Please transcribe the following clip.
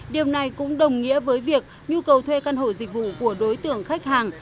điều này cũng đồng nghĩa với việc nhu cầu thuê căn hộ dịch vụ của đối tượng khách hàng